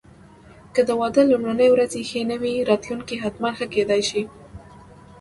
که د واده لومړني ورځې ښې نه وې، راتلونکی حتماً ښه کېدای شي.